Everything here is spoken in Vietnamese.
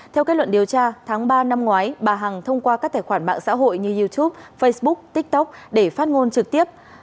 theo kết luận điều tra tháng ba năm ngoái bà hằng thông qua các tài khoản mạng xã hội như youtube facebook tiktok để phát ngôn trực tiếp